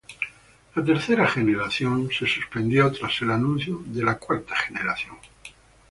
La tercera generación se suspendió tras el anuncio de la cuarta generación.